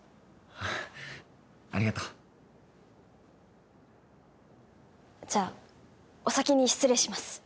あっありがとうじゃお先に失礼します